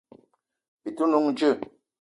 Bi te n'noung djeu?